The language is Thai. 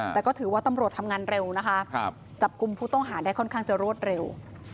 แต่ก็ถือว่าตำรวจทำงานเร็วนะคะจับกลุ่มผู้ต้องหาได้ค่อนข้างจะรวดเร็ว